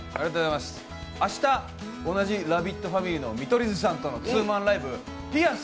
明日、同じラヴィットファミリーの見取り図さんとのツーマンライブ「ピアス」